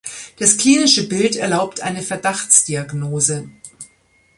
Das klinische Bild erlaubt eine Verdachtsdiagnose.